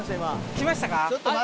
来ましたか。